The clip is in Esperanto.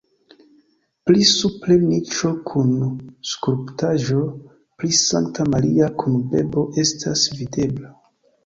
Pli supre niĉo kun skulptaĵo pri Sankta Maria kun bebo estas videbla.